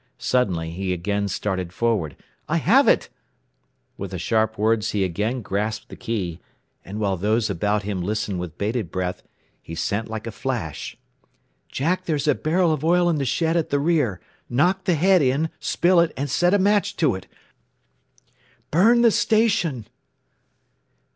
Suddenly he again started forward. "I have it!" With the sharp words he again grasped the key, and while those about him listened with bated breath he sent like a flash, "Jack, there's a barrel of oil in the shed at the rear. Knock the head in, spill it, and set a match to it. _"Burn the station!"